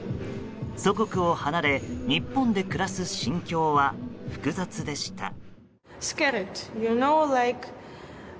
祖国を離れ、日本で暮らす心境は複雑でした。